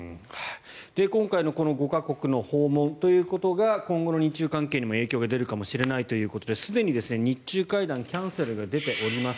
今回の５か国の訪問ということが今後の日中関係にも影響が出るかもしれないということですでに日中会談キャンセルが出ています。